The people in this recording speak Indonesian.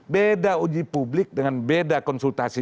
beda uji publik dengan beda konsultasi